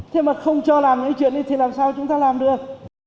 thế mà không cho làm những chuyện này thì làm sao chúng ta làm được